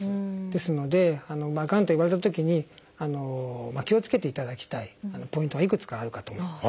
ですのでがんと言われたときに気をつけていただきたいポイントがいくつかあるかと思います。